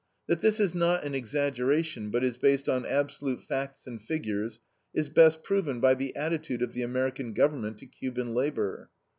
That this is not an exaggeration, but is based on absolute facts and figures, is best proven by the attitude of the American government to Cuban labor.